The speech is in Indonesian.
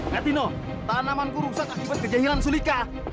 netino tanamanku rusak akibat kejahilan sulika